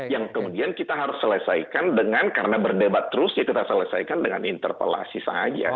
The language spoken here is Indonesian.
yang kemudian kita harus selesaikan dengan karena berdebat terus ya kita selesaikan dengan interpelasi saja